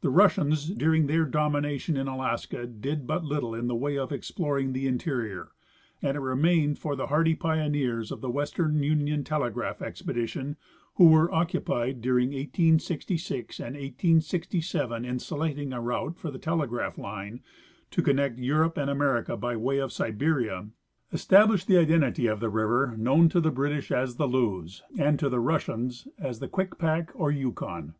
The Russians during their domination in Alaska did but little in the way of exploring the interior, and it remained for the hardy pioneers of the A¥estern Union Telegraph expedition, Avho were occupied during 1866 and 1867 in selecting a route for a telegraph line to connect Europe and America by way of Siberia, established the identity of the river known to the British as the Lewes and to the Russians as the Kwikpak or Yukon.